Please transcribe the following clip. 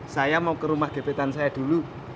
saya mau ke rumah gepetan saya dulu